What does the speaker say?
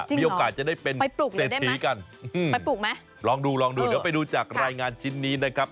จริงเหรอไปปลูกเลยได้ไหมมีโอกาสจะได้เป็นเศรษฐีกันลองดูเดี๋ยวไปดูจากรายงานชิ้นนี้นะครับ